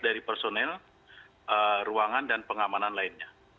dari personel ruangan dan pengamanan lainnya